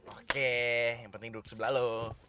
oke yang penting duduk sebelah lo